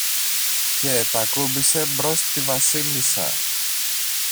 και τ' ακούμπησε μπρος στη Βασίλισσα.